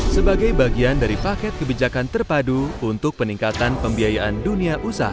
sebagai bagian dari paket kebijakan terpadu untuk peningkatan pembiayaan dunia usaha